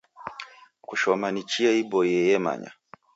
Kushoma ni chia iboiye ye manya.